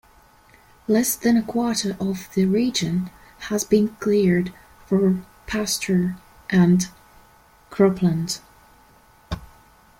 Less than a quarter of the region has been cleared for pasture and cropland.